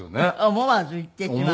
思わず言ってしまった。